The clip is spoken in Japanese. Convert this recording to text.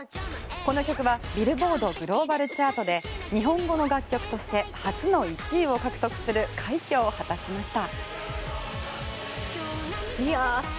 この曲はビルボード・グローバル・チャートで日本語の楽曲として初の１位を獲得する快挙を果たしました。